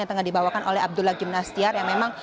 yang sedang dibawakan oleh abdullah gymnastiar yang memang